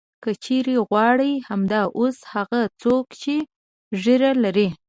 که چېرې غواړې همدا اوس هغه څوک چې ږیره لري.